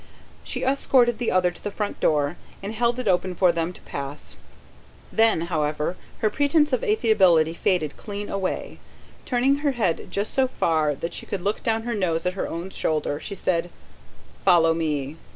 She escorted the other to the front door, and held it open for them to pass out. Then, however, her pretence of affability faded clean away: turning her head just so far that she could look down her nose at her own shoulder, she said: "Follow me!"